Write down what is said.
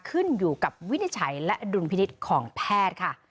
ขึ้นอยู่กับวินิจฉัยและดุลพินิษฐ์ของแพทย์ค่ะ